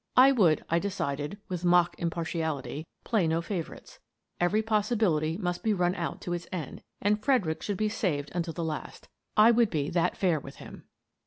I would, I decided with mock im partiality, play no favourites. Every possibility must be run out to its end — and Fredericks should be saved until the last: I would be that fair with him.